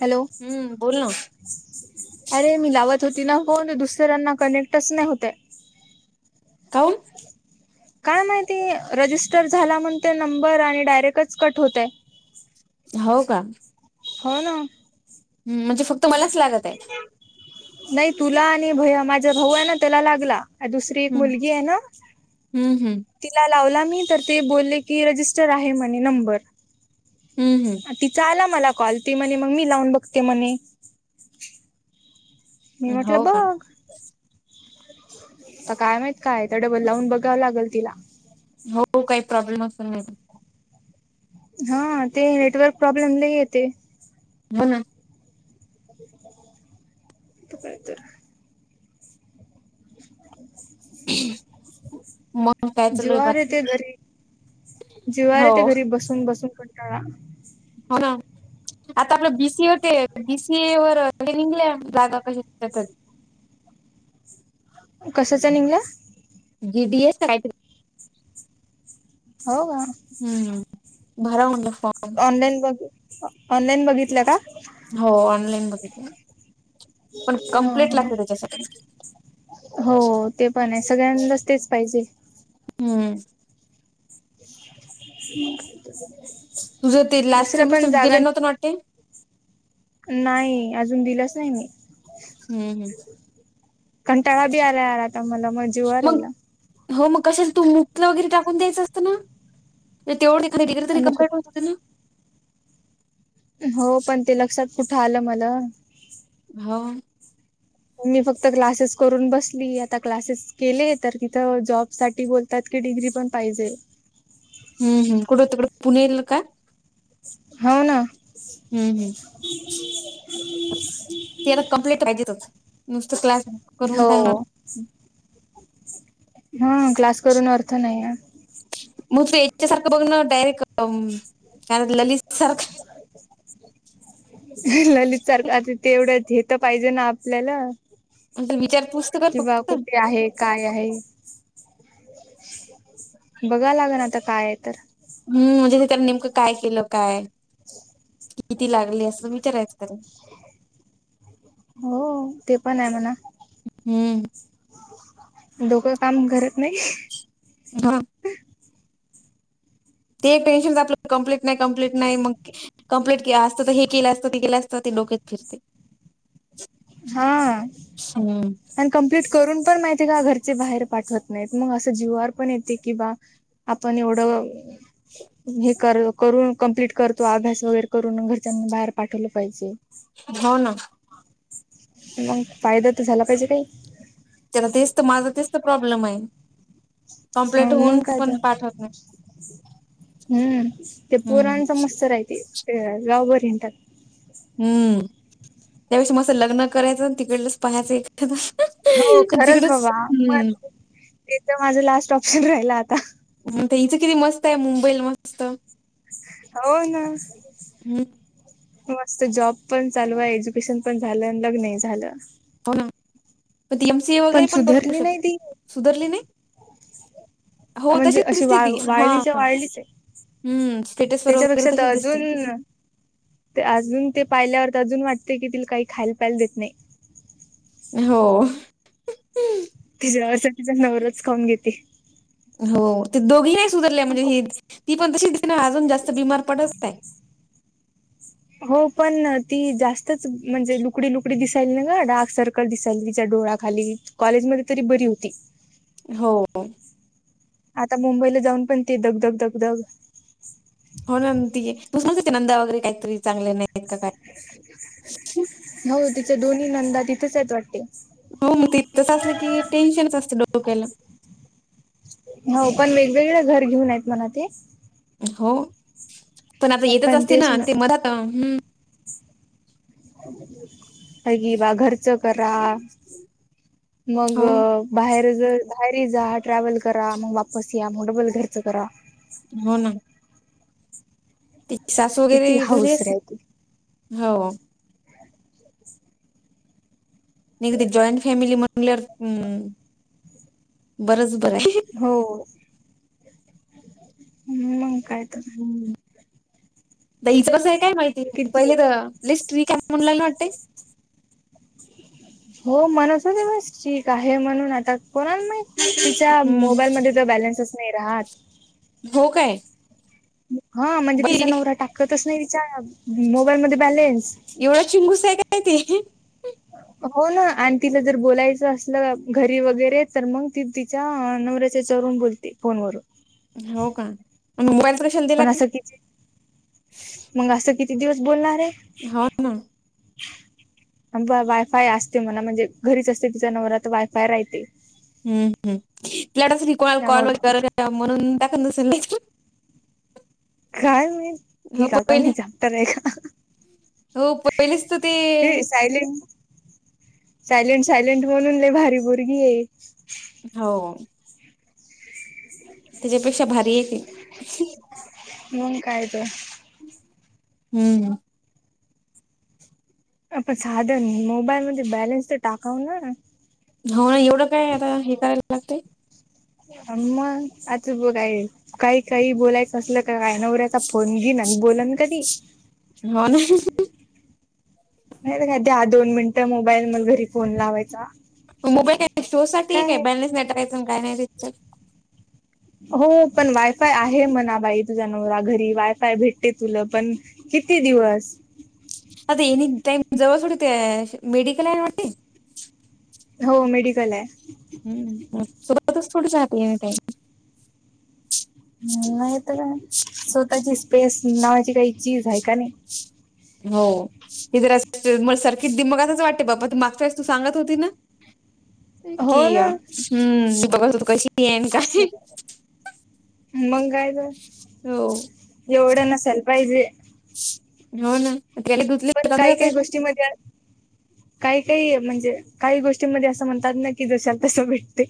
Hello. हम्म बोल ना अरे मी लावत होती ना फोन दुसऱ्यांना कनेक्टच नाही होतय. कौन? काय माहिती रजिस्टर झाला म्हणते नंबर आणि डायरेक्टच कट होतय. हाव का. हो ना हम म्हणजे फक्त मलाच लागत आहे नाही तुला आणि भय माझ्या भाऊ आहे ना त्याला लागला हा दुसरी एक हम्म मुलगी आहे ना हम्म हम्म तिला लावला मी तर ते बोलले की रजिस्टर आहे म्हणे नंबर हम्म तिचा आला मला कॉल ती म्हणे मग मी लावून बघते म्हणे मी हम्म म्हटलं हो का बग आ काय माहत काय त्या डबल लावून बघावं लागेल तिला हो काही प्रॉब्लेम असत नाही हा ते नेटवर्क प्रॉब्लेम लय येते हो ना अंतर मग काय चालू आहे जुवारे बाकी ते घरी जुवारे हो ते घरी बसून, बसून कंटाळा हो ना आता आपलं बीसीए होते बीसीए वर ट्रेनिंगगल्या जागा कशी कसंच निंगलास जी डी, एस आयट हो गा हम्म भरा म्हणलं फॉ ऑनलाईन ब ऑनलाईन बघितलं का? हो ऑनलाईन बघितल पण हा कमप्लेट हा. लागते त्याच्यासाठी हो ते पण आहे सगळ्यांदच तेच पाहिजे हम्म ह. [inaudible] तुझं ते लास्ट सेमिस्टर दिले न्हतं ना वाटते नाही अजून दिलाच नाही मी हम् कंटाळा बी आलाय आला आता मला मज मग हो मग कशाच तू मुतलं वगैरे टाकून द्यायचं असतं ना तेवढे डग्री तरी अमुक क्पेअर करत होते ना हो पण ते लक्षात कुठं आलं मल हाव मी फक्त क्लासेस करून बसली आता क्लासेस केले तर तिथं जॉब साठी बोल तात की डिग्री पण पाहिजे हम् हम कुठे होत कडे पुणेल काय हाव ना हम्म, हम्म ते आता कमप्लीट कहिजच नुसतं क्लास करून काय होणार हो. ह क्लास करून अर्थ नाही या मग ते याच्या सारखं बघ ना डायरेक्ट काय ललित सारखं ह ललित सारखं आता ते एवढं घेत पाहिजे ना आपल्याला विचारपूस तर कर किंवा फक्त. कुठे आहेत काय आहे बघा लाग ना आता काय आहे तर हम् म्हणजे त त्या नेमकं काय केलं काय किती लागले असं विचरायचं त हो ते पण आहे म्हणा हम्म डोकं काम करत नाही [inaudible] ते एक टेन्शन आपलं कंप्लीट नाही कंप्लीट नाही म कंम्प्लीट असत हे केलं असतं ते केलं असतं ते डोकच फिरते हा.. हम्म आणि कम्प्लीट करून पण माहिती आहे का घरचे बाहेर पाठवत नाहीत मग असं जीवआर पण येते कि बा आपण एवढं हे कर करून कंम्प्लीट करतो अभ्यास वगैरे करून घरच्यां बाहेर पाठवलं पाहिजे. हो ना मग फायदा तर झाला पाहिजे काही त्याला तेच चत माझा तेच प्रॉब्लेम आहे. कंप्लीट होऊन मग काय तर पण पाठवत नाही हम्म ते हम्म पोराच मस्त राहती गावबरी हिंडतात. हम्म त्यापेक्षा मस लग्न करायचं तिकडलंच पाहायचं एक हो खरंच तिकडंच बाबा मग हम्म ते तर माझं लास्ट ऑप्शन राहिला आता म ते हिचं किती मस्त आहे मुंबईला मस्त! हो ना हम्म मस्त जॉब पण चालू आहे, एज्युकेशन पण झालं, लग्न झालं. हो ना पण ती एमसीए वगैरे पण करू सुधरली नाही शकते ती सुधरली नाही हो म्हणजे तशीच अशी दिसते वा ती हा हा वाळलीच्या वाळलीच आहे हम्म स्टटसतशवर वगैरे त्याच्यापेक्षा तशीच तर दिसते अजून ते अजून ते पाहिल्यावर तर अजून वाटते की तिला काही खायला प्यायल देत नाही हो तिच्यासाठीचा नवराच खाऊन घेते हो ते दोघी नाही सुधरले म्हणजे ह ती पण तशी दिेसते ना अजून जास्त बिमार पडत. हो पण ती जास्तच म्हणजे लुकडी लुकडी दि काही ना ग डार्क सर्कल दिसायली तिच्या डोळ्याखाली कॉलेजमध्ये तरी बरी होती. हो.. आता मुंबईला जाऊन पण ते दगग धगधग होणार त तूस नंदा वगैरे काहीतरी चांगले नाहीत काय हो तिच्या दोन्ही नंदा तिथेच आहेत वाटते. हो मग ते तसं असलं की टेन्शनच असतें डोक्याला हो पण वेगवेगळ घर घेऊन आहेत म्हण ते हो पण आता येतच असते ना ते मधात अगी बा घरच करा मग.. हो बाहेर जर बाहेर जा ट्रॅव्हल करा मग वापस या मग डबल घरच करा हो ना.. सासू वगैरे किती घरी हाऊस राहते असती हो नाही का ते जॉईंट फॅमिली म्हटल्यावर बरंच बरं आहे हो ह् मंग काय? तर हम्म् द हचं कसं आहे काय माहिती किती पहिले तर लिस्ट्री काय म्हणला ना वाटते हो म्हणतस होति ठीक आहे म्हणून आता कोणाला माहीत तिच्या हम्म मोबाईलमध्ये तर बॅलन्सच नाही राहात. हो काय? हा म्हणजे तिचा बाई नवरा टाकतच नाही विचार एवढा चिंगूस आहे काय ते हो ना आणि तिला जर बोलायचं असलं घरी वगैरे तर मग ती नवऱ्याच्या चोरून बोलते फोनवरून हो का? म मोबाईच कशा पण असं किती मग असं किती दिवस बोलणार आहे हा ना आमचा वायफाय असते म्हण म्हणजे घरीच असते तिच्या नवरा तर वायफाय राहते. हम्म हम्म तिला तसं कोणाला कॉल त्यामुळे वगैरे म्हणून टाकत नसलं नाही काय माहीत ही हो काका ही पहिला मी चाप्टर आहे का हो पहिलीच तर ते आहिले सायलेंट सायलेंट म्हणून लेय भारी पोरगी हे हो तीच्यापेक्षा भारी आहे की. मग कायतर हम्म अ पण साधा मोबाईल मध्ये बॅलेन्स तर टाकाव ना. हो ना एवढं काय आता हे करायला लागते अ्म मग आता बघय आई काही काही बोलायच असलं. काय नवऱ्याचचा फोन घे ना बोलन कधी हो ना नाही तर काय द्या दोन मिनिटं मोबाईल मला घरी फोन लावायचा. मोबाईल का शो साठी एक काय बॅलेन्स टाकायच काय नाही हो पण वायफाय आहे म्हणा बाई तुझ्या नवरा घरी वायफाय भेटते तुला पण किती दिवस आता ऐणी टायम जवळ सोडते मेडिकल आहेन वाटते हो मेडिकल आहे हम् सुरुवातच थोडी जात येणे टाईम नाही तर काय स्वतःची स्पेस नावाची काही चीज आहे का नाही. हो हि जरा म सारखी मग असंच वाटते बाबा तू मागच्या वेळेस तू सांगत होती ना कि हो या ना हम्म [unintelligible] काय आसल मंग काय तर हो येवढं नसायला पाहिजे. हो ना त्यान [unintelligible] हि मजा [inaudible] काही काही म्हणजे काही गोष्टीमध्ये असं म्हणतात ना की जशाला तसं भेटते.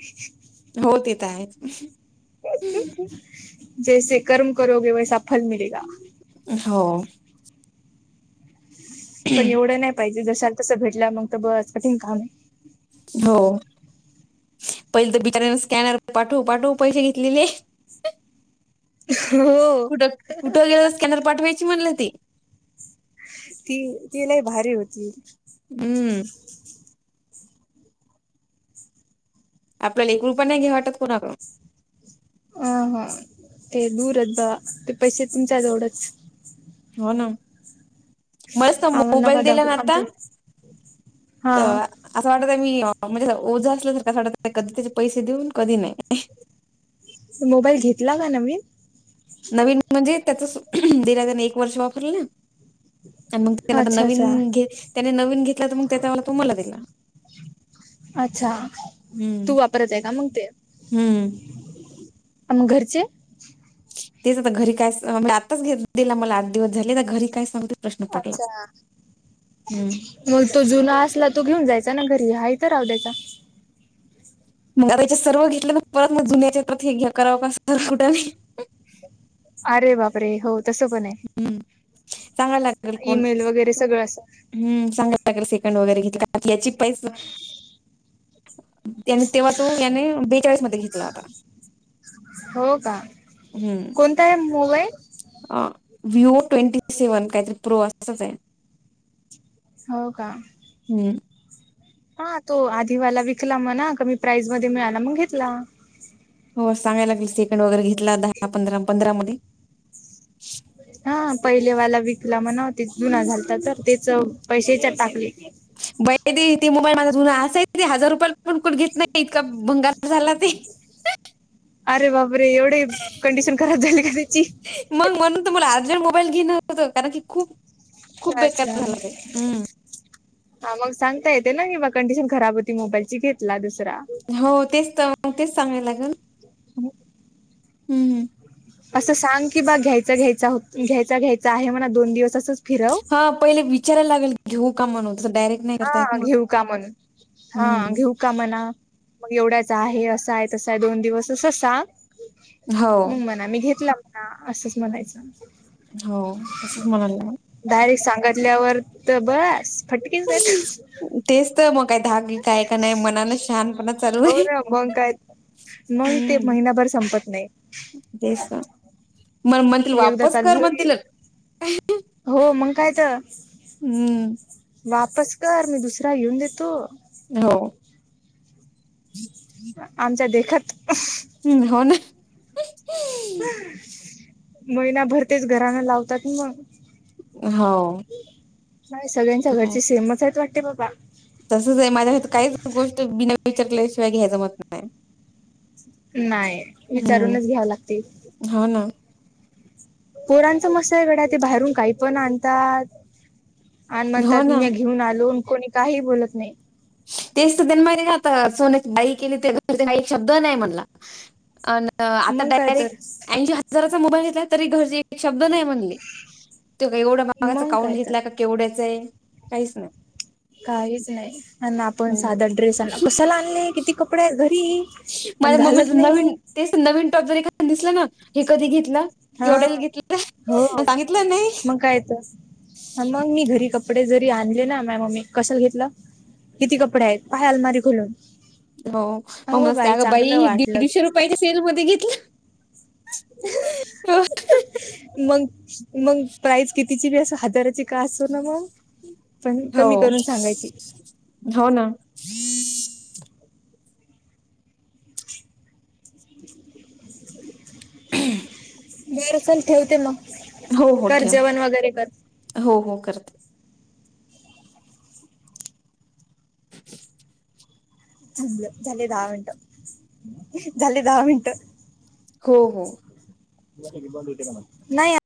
हो ते येत आहेत [inaudible] जैसे कर्म करोगे वैसा फल मिलेगा हो पण एवढं नाही पाहिजे जशाला तसं भेटला मग तर बरच कठीण काम आहे. हो पहिले तर बिचाऱ्याने स्कॅनर पाठव पाठव पैसे घेतलेले. हो कुठ कुठं गेलं स्कॅनर पाठवायची म्हणलं ती ती ती लय भारी होती. हम्म आपल्याला एक रुपय नाही घे वाटत कोणाकडून ह हा ते दूरच बा ते पैसे तुमच्याजवळंच हो ना मस्त आम्हाला नका मोबाईल दिला दाखवू ना आता आमचं तर हा असं वाटत आहे अ मी म्हणजे ओझं असल्यासारख असं वाटत कधी त्याचे पैसे देऊन कधी नाही. मोबाईल घेतला का नवीन? नवीन म्हणजे त्याचस दिला त्यांने एक वर्ष वापरलं ना. आणि मंग त्याने आता अच्छा अच्छा नवीन घे त्याने नवीन घेतलं तर मग त्याच्या तुम्हाला दिला. अच्छा! हम्म तू वापरत आहे का मंग ते? हम्म पण मग घरचे तेच आता घरी काय स म आताच घेत देला मला आठ दिवस झाले आ घरी काय सांगते. प्रश्न पडला अच्छा हम्म. मग तो जुना असला तो घेऊन जायचा ना घरी आहे तर राहू द्याचा. मग आता हेच्यात सर्व घेतलं परत म जुन्याच्या परत हे घ्या करावं का असं कुठं अरे बापरे! हो तसं पण आहे. हम्म चांगलं लागल कोण. ईमेल वगैरे सगळं असं [unintelligible] तेव्हा तो याने बेचाळीस मध्ये घेतला होता. हो का कोणता आहे मोबाईल? अ विवो टवेंटी सेव्हन काहीतरी प्रो असंच आहे. हो का? हम्म. हा तो आधीवाला विकला मणा कमी प्राईज मध्ये मिळाला मंग घेतला. हो सांगायला लागेल सेकंड वगैरे घेतला दहा पंधरा पंधरा मध्ये हा पहिलेवाला विकला मनावते जुना झालता तर तेच पैशे हेच्यात टाकले. बई दे ते मोबाईल माझा जुना असा ही हजार रुपया पण कड घेत नाही इतका भंगार झाला ते. अरे बापरे! एवढे कंडिशन खराब झाली का त्याची? मग म्हणून तर मला आजही मोबाईल घेनं होतं कारण की खूप खूप [unintelligible] अच्छा बेकार झालं ते हम्म हा मग सांगता येते ना की म कंडिशन खराब होती मोबाईलची घेतला दुसरा. हो तेच तर मग तेच सांगाय लागेल. [inaudible] हम्म हम्म. असं सांग की बा घ्यायचा घ्यायचा होत घ्यायचा घ्यायचा आहे म्हणा दोन दिवस असंच फिरव हा पहिले विचारयला लागेल घेऊ का [unintelligible] डायरेक्ट नाही करता हा येत ना घेऊ का म्हणून हा हम्म घेऊ का म्हणा मग एवढ्याच आहे असा आहे तसा आहे दोन दिवस असं सांग हो मग म्हणा मी घेतला म्हणां असंच म्हणायचं. हो तसचं म्हणालाय. डायरेक्ट सांगितल्यावर तर बस फटकेच देत. तेच तर मग काय धाक बीक आहे का नाही मनानं शहानपणा चालू हो आहे ना मंग काय मंग ते हम्म महिनाभर संपत नाही. मला म्हणतील एकदा वापस चालू कर झालं की म्हणतीलं. हो मंग कायतर हम्म. वापस कर मी दुसरा घेऊन देतो. हो. आमच्या देखात हम्म हो ना. महिनाभर तेच घरान लावतात म. हाव नाही सगळ्यांच्या घरची सेंमच आहे वाटते बाबा. तसच आहे माझ्या हेत काहीच गोष्ट बिना विचारल्याशिवाय घ्याय जमत नाय. नाय हम्म विचारूनच घ्याव लागतील. हो ना. पोरांचा मस्त गडया बाहेरून काय पण आणतात. आणि हो म्हणतात ना मी घेऊन आलो कोणी काही बोलत नाही. तेच तर तेन माहीत सोन्या बाली केली तेव्हा काही शब्द नाही म्हणला आण आता मग काय डायरेक्ट तर ऐशीं ह जराचा मोबाईल घेतला तरी घरचे एक शब्द नाही म्हणले तो का एवढ्या महागाचा मग काउंन काय तर घेतलाय का? केवढ्याच आहे काहीच नाही. काहीच नाही आपण हम्म साधा ड्रेस आणला कशाला आणले किती कपडे आहे घरी. आणि माझ मम्मी घालत नवीन नाही तेच नवीन टॉप जरी दिसला ना हे कधी घेतला. हा केवढ्याला हो घेतलं? सांगितलं नाही मग काय येत मग मी घरी कप कपडे जरी आणले ना माय मम्मी कशाला घेतलं किती कपडे आहेत पाहाय अलमारी खुलून. हो मग मस्त अगं बाई वाटलं दीडशे घेतलं रुपयाच्या सेल मध्ये घेतलं. मग मग प्राईज कितीची बी अस हजाराची. का असो ना मग पण हो कमी करून सांगायची. हो ना. [inaudible] ह. [unintelligible] बर चल ठेवते मग. हो हो कर ठेव. जेवण वगैरे कर हो हो करते. [inaudible] झाले दहा मिनिट झाली दहा मिनिट. हो हो. नाही.